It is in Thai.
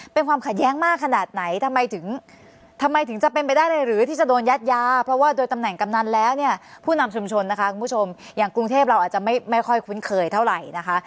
เป็นความขัดแย้งมากขนาดไหนทำไมถึงทำไมถึงจะเป็นไปได้เลยหรือที่จะโดนยัดยาเพราะว่าโดยตำแหน่งกำนันแล้วเนี่ยผู้นำชุมชนนะคะคุณผู้ชมอย่างกรุงเทพเราอาจจะไม่ค่อยคุ้นเคยเท่าไหร่นะคะ